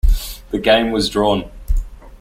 The game was drawn.